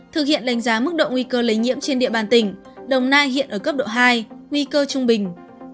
thực hiện đánh giá mức độ nguy cơ lây nhiễm trên địa bàn tỉnh đồng nai hiện ở cấp độ hai nguy cơ trung bình